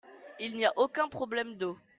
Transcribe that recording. Il n'y a aucun problème d'eau.